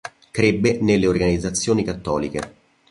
Crebbe nelle organizzazioni cattoliche.